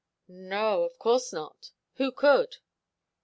"No. Of course not. Who could?"